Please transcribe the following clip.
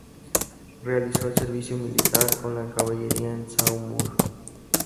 Realizó el servicio militar con la caballería en Saumur.